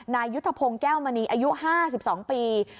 นายยุทธพงศ์แก้วมณีอายุ๕๒ปี